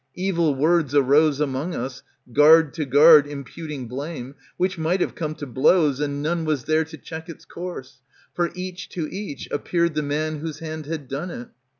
Evil words arose Among us, guard to guard imputing blame, *^ Which might have come to blows, and none was there To check its course, for each to each appeared The man whose hand had done it.